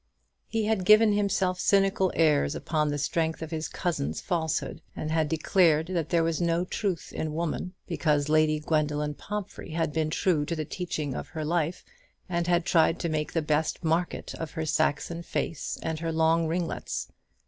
He had given himself cynical airs upon the strength of his cousin's falsehood: and had declared there was no truth in woman, because Lady Gwendoline Pomphrey had been true to the teaching of her life, and had tried to make the best market of her Saxon face and her long ringlets.